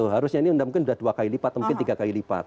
harusnya ini mungkin sudah dua kali lipat mungkin tiga kali lipat